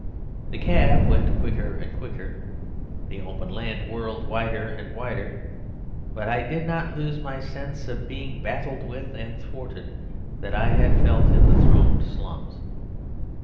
The cab went quicker and quicker. The open land whirled wider and wider; but I did not lose my sense of being battled with and thwarted that I had felt in the thronged slums.